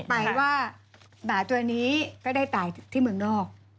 ไปว่าหมาตัวนี้ก็ได้ตายที่เมืองนอก